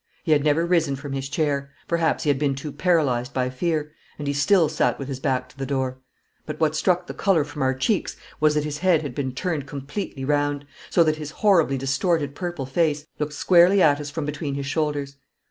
He had never risen from his chair perhaps he had been too paralysed by fear and he still sat with his back to the door. But what struck the colour from our cheeks was that his head had been turned completely round, so that his horribly distorted purple face looked squarely at us from between his shoulders.